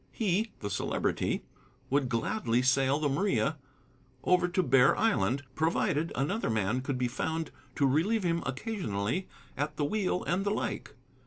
He, the Celebrity, would gladly sail the Maria over to Bear Island provided another man could be found to relieve him occasionally at the wheel, and the like.